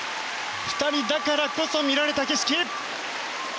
２人だからこそ見られた景色！